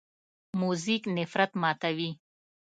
موزیک نفرت ماتوي.